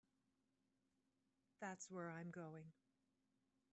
That's where I'm going.